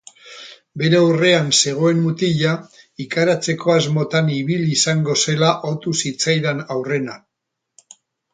Bere aurrean zegoen mutila ikaratzeko asmotan ibili izango zela otu zitzaidan aurrena.